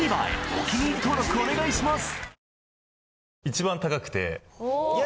お気に入り登録お願いします